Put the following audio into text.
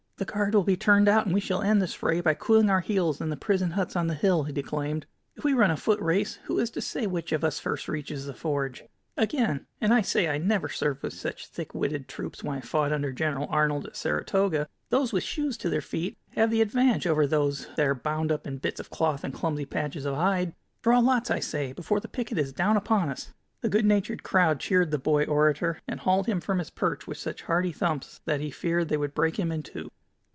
"The guard will be turned out and we shall end this fray by cooling our heels in the prison huts on the hill," he declaimed. "If we run a foot race, who is to say which of us first reaches the forge? Again, and I say I never served with such thick witted troops when I fought under General Arnold at Saratoga, those with shoes to their feet have the advantage over those that are bound up in bits of cloth and clumsy patches of hide. Draw lots, I say, before the picket is down upon us!" The good natured crowd cheered the boy orator, and hauled him from his perch with such hearty thumps that he feared they would break him in two.